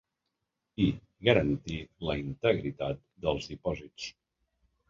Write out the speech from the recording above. I garantir la integritat dels dipòsits.